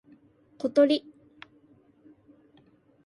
ことり